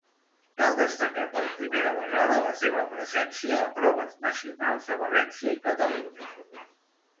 Cal destacar per primera vegada la seva presència a proves nacionals a València i Catalunya.